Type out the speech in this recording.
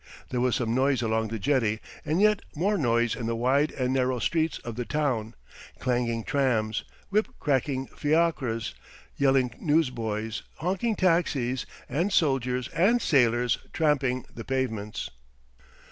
There was some noise along the jetty and yet more noise in the wide and narrow streets of the town clanging trams, whip cracking fiacres, yelling newsboys, honking taxis, and soldiers and sailors tramping the pavements.